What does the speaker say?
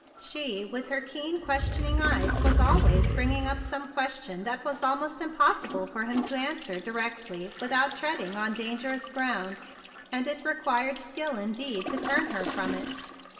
She with her keen, questioning eyes was always bringing up some question that was al¬ most impossible for him to answer di¬ rectly without treading on dangerous THE BIG BLUE SOLDIER 53 ground, and it required skill indeed to turn her from it.